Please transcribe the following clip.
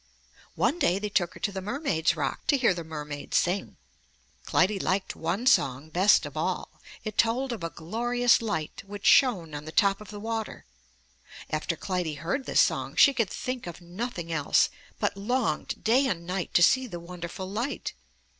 One day they took her to the mermaid's rock to hear the mermaid sing. Clytie liked one song best of all. It told of a glorious light which shone on the top of the water. After Clytie heard this song, she could think of nothing else, but longed day and night to see the wonderful light.